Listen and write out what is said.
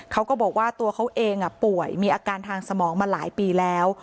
เขาก็บอกว่าตัวเขาเองป่วยมีอาการทางสมองมาหลายปีแล้ว